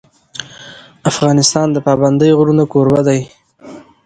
افغانستان د پابندی غرونه کوربه دی.